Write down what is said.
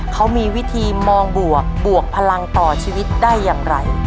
เขามีวิธีมองบวกบวกพลังต่อชีวิตได้อย่างไร